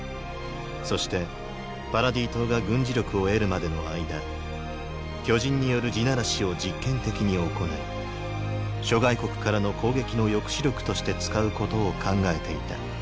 そしてパラディ島が軍事力を得るまでの間巨人による「地鳴らし」を実験的に行い諸外国からの攻撃の抑止力として使うことを考えていた。